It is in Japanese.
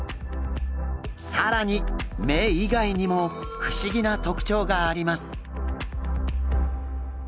更に目以外にも不思議な特徴があります。